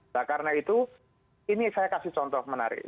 nah karena itu ini saya kasih contoh menarik